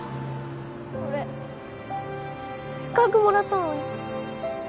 俺せっかくもらったのに。